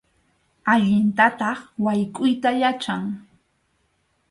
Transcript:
Allintataq waykʼuyta yachan.